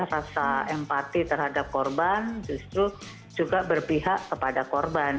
rasa empati terhadap korban justru juga berpihak kepada korban